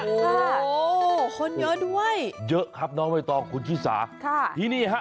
โอ้โหคนเยอะด้วยเยอะครับน้องใบตองคุณชิสาค่ะที่นี่ฮะ